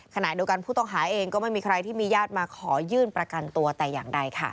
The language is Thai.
ขณะเดียวกันผู้ต้องหาเองก็ไม่มีใครที่มีญาติมาขอยื่นประกันตัวแต่อย่างใดค่ะ